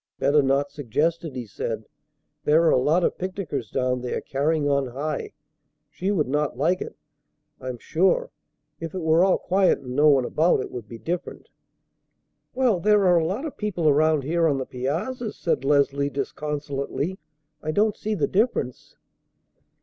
"Better not suggest it," he said. "There are a lot of picnickers down there carrying on high. She would not like it, I'm sure. If it were all quiet and no one about, it would be different." "Well, there are a lot of people around here on the piazzas," said Leslie disconsolately. "I don't see the difference."